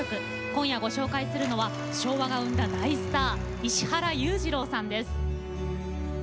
今夜、ご紹介するのは昭和が生んだ大スター石原裕次郎さんです。